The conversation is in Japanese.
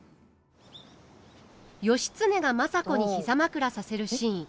義経が政子に膝枕させるシーン。